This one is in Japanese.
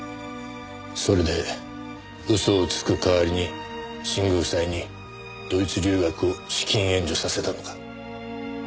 それで嘘をつく代わりに新宮夫妻にドイツ留学を資金援助させたのか？